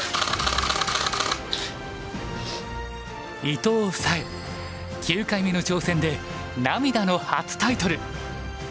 伊藤沙恵９回目の挑戦で涙の初タイトル。